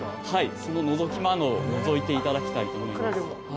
そののぞき窓をのぞいていただきたいと思います。